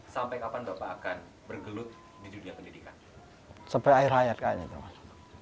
sampai kapan bapak akan bergelut di dunia pendidikan